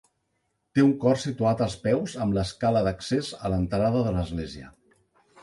Té un cor situat als peus amb l'escala d'accés a l'entrada de l'església.